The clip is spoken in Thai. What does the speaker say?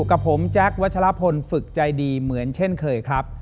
กับผมแจ๊ควัชลพลฝึกใจดีเหมือนเช่นเคยครับ